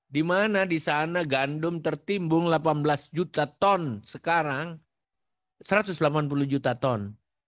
di mana di sana gandum tertimbung delapan belas juta ton sekarang satu ratus delapan puluh juta ton